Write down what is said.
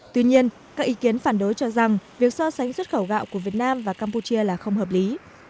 tuy nhiên các ý kiến phản đối cho rằng việc so sánh xuất khẩu gạo của việt nam và campuchia là không hợp lý